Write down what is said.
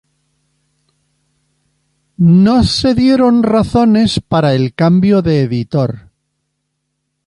No se dieron razones para el cambio de editor.